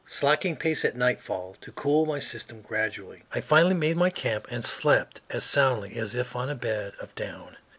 Slackening pace at nightfall to cool my system gradually, I finally made my camp and slept as soundly as if on a bed of down.